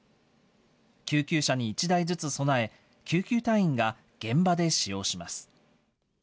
救急車に１台ずつ備え、救急隊員が現場で使用します。